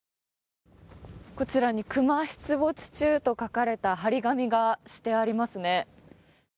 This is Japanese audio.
こちらに熊出没中と書かれた貼り紙がしてありますね。